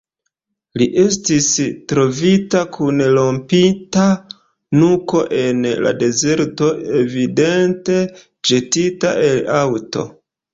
Li estis trovita kun rompita nuko en la dezerto, evidente ĵetita el aŭto.